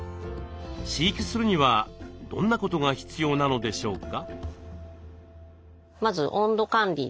飼育するにはどんなことが必要なのでしょうか。